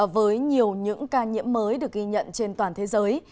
với nhiều những ca nhiễm mới được ghi nhận trên toàn thế giới